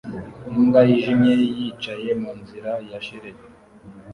Imbwa yijimye yicaye munzira ya shelegi